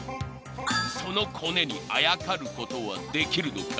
［そのコネにあやかることはできるのか？］